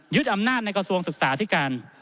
อำนาจในกระทรวงศึกษาที่การ